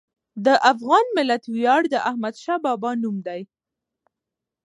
د افغان ملت ویاړ د احمدشاه بابا نوم دی.